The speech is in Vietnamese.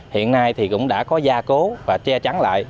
hiện nay thì cũng đã có gia cố và che chắn lại